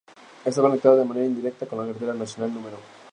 Está conectada de manera indirecta con la carretera nacional No.